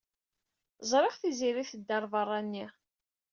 Ẓriɣ Tiziri tedda ɣer lbeṛṛani.